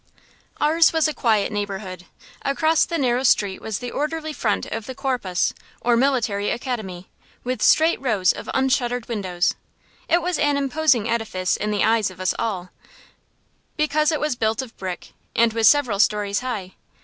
Ours was a quiet neighborhood. Across the narrow street was the orderly front of the Korpus, or military academy, with straight rows of unshuttered windows. It was an imposing edifice in the eyes of us all, because it was built of brick, and was several stories high.